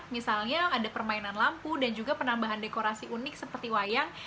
misalnya ada permainan lampu dan juga penambahan dekorasi unik seperti wayang